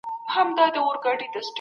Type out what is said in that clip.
دلته ډېر تاریخي بدلونونه راغلي دي.